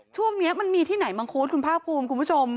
ช่วงนี้มันมีที่ไหนบ้างคุณภาคภูมิคุณผู้ชม